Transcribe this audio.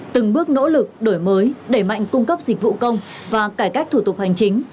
từng bước nỗ lực đổi mới đẩy mạnh cung cấp dịch vụ công và cải cách thủ tục hành chính